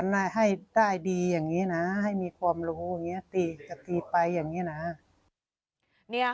ไม่งามลูกเสือ